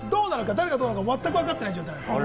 誰がどうなるか、まったくわかってない状態です。